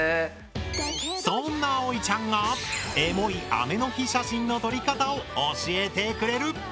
そんな葵ちゃんがエモい雨の日写真の撮り方を教えてくれる！